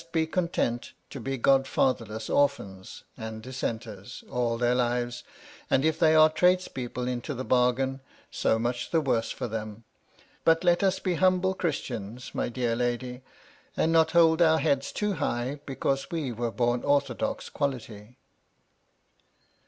329 be content to be godfatherless orphans^ and Dissenters, all their lives ; and if they are tradespeople into the bargain, so much the worse for them ; but let us be humble Christians, my dear lady, and not hold our heads too high because we were born orthodox quality."